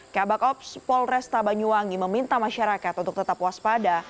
kabak ops polres tabanyuwangi meminta masyarakat untuk tetap waspada